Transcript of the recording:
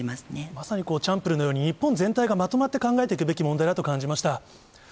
まさにチャンプルーのように、日本全体がまとまって考えていくべき問題だと感じました。